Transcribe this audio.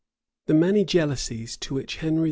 } THE many jealousies to which Henry IV.